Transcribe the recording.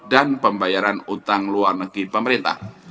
dan pembiayaan utang luar negeri pemerintah